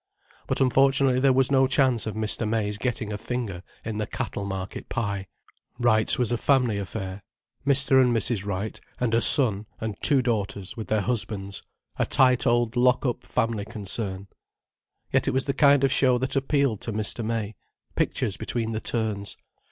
But unfortunately there was no chance of Mr. May's getting a finger in the Cattle Market pie. Wright's was a family affair. Mr. and Mrs. Wright and a son and two daughters with their husbands: a tight old lock up family concern. Yet it was the kind of show that appealed to Mr. May: pictures between the turns.